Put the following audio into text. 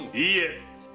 いいえ。